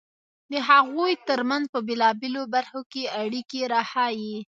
د هغوی ترمنځ په بېلابېلو برخو کې اړیکې راښيي.